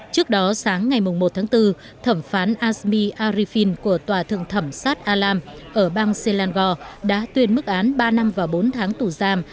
trước đó sáng ngày một tháng bốn thẩm phán azmi arifin của tòa thượng thẩm sát alam ở bang selangor đã tuyên mức án ba năm và bốn tháng tù giam